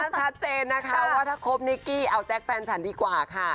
ชัดเจนนะคะว่าถ้าคบนิกกี้เอาแจ๊คแฟนฉันดีกว่าค่ะ